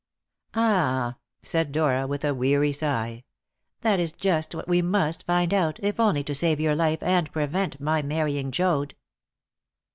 "Ah," said Dora with a weary sigh, "that is just what we must find out, if only to save your life and prevent my marrying Joad."